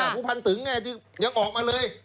ผู้พันตึงยังออกมาเลย